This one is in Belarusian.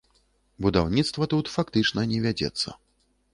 Будаўніцтва тут фактычна не вядзецца.